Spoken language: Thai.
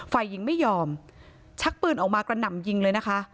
ฝ่ายหญิงไม่ยอมชักปืนออกมากระหน่ำยิงเลยนะคะ